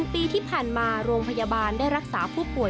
ปีที่ผ่านมาโรงพยาบาลได้รักษาผู้ป่วย